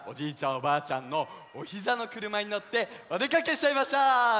おばあちゃんのおひざのくるまにのっておでかけしちゃいましょう！